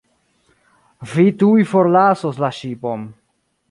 Vi tuj forlasos la ŝipon.